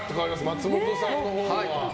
松本さんのほうは？